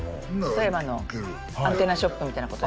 富山のアンテナショップみたいなこと？